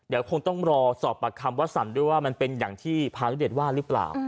เดี๋ยวคงต้องรอสอบปากคำวัสสันด้วยว่ามันเป็นอย่างที่พานุเดชว่าหรือเปล่า